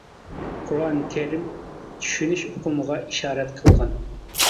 قۇرئان كىرىم «چۈشىنىش» ئۇقۇمىغا ئىشارەت قىلغان.